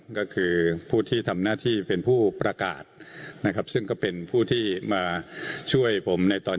ก็คือผู้ที่ทำหน้าที่เป็นผู้ประกาศนะครับซึ่งก็เป็นผู้ที่มาช่วยผมในตอน